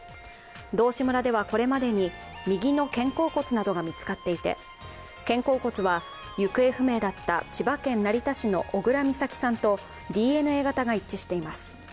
道志村ではこれまでに右の肩甲骨などが見つかっていて肩甲骨は行方不明だった千葉県成田市の小倉美咲さんとＤＮＡ型が一致しています。